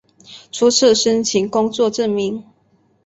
初次申请工作证明